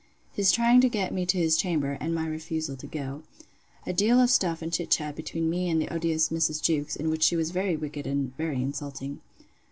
His trying to get me to his chamber; and my refusal to go. A deal of stuff and chit chat between me and the odious Mrs. Jewkes; in which she was very wicked and very insulting.